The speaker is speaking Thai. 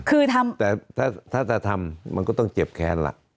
คือทำแต่ถ้าจะทำมันก็ต้องเจ็บแค้นล่ะ